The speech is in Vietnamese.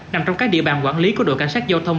nằm trong các địa bàn quản lý của đội cảnh sát giao thông